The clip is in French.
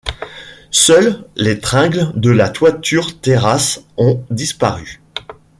Seules les tringles de la toiture-terrasse ont disparu.